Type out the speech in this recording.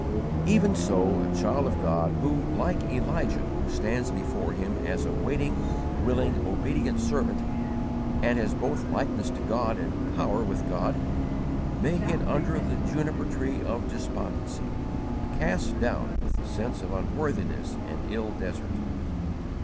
Even so a child of God who, like Elijah, stands before Him as a waiting, willing, obedient servant, and has both likeness to God and power with God, may get under the juniper tree of despondency, cast down with the sense of unworthiness and ill desert.